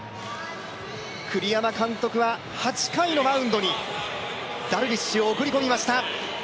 栗山監督は８回のマウンドにダルビッシュを送り込みました。